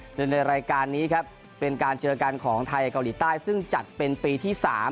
โดยในรายการนี้ครับเป็นการเจอกันของไทยเกาหลีใต้ซึ่งจัดเป็นปีที่๓